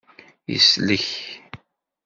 Yeslek.